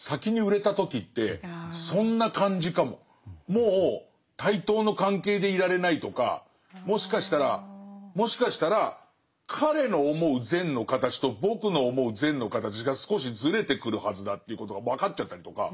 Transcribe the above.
もう対等の関係でいられないとかもしかしたらもしかしたら彼の思う善の形と僕の思う善の形が少しずれてくるはずだということが分かっちゃったりとか。